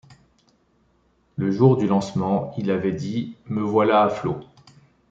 Le jour du lancement, il avait dit: me voilà à flot!